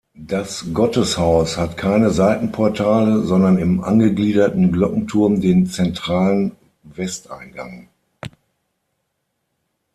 Das Gotteshaus hat keine Seitenportale, sondern im angegliederten Glockenturm den zentralen Westeingang.